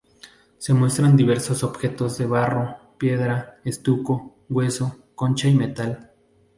Se muestran diversos objetos de barro, piedra, estuco, hueso, concha y metal.